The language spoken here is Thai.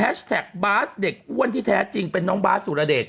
บาสเด็กอ้วนที่แท้จริงเป็นน้องบาสสุรเดช